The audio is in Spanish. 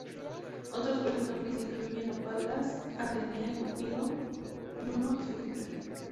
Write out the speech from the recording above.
Otros personajes incluyen a Palas Atenea, Cupido, Juno y Júpiter.